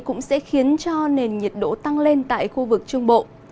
cũng sẽ khiến cho nền nhiệt độ tăng lên tại khu vực trung bộ